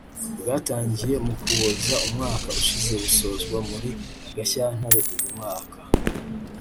bwatangiye mu Kuboza umwaka ushize busozwa muri Gashyantare uyu mwaka